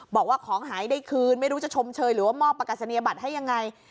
บอกว่าของหายได้คืนไม่รู้จะชมเชยหรือว่ามอบประกาศนียบัตรให้ยังไง